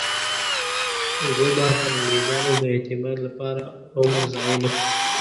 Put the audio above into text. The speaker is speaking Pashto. زه به پر انګریزانو د اعتماد لپاره عمر ضایع نه کړم.